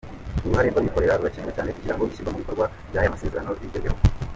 Uruhare rw’abikorera rurakenewe cyane kugira ngo ishyirwa mu bikorwa ry’aya masezerano rigerweho.